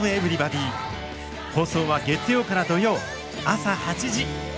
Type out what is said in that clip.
放送は月曜から土曜朝８時。